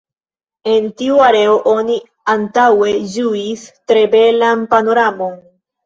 El tiu areo oni antaŭe ĝuis tre belan panoramon.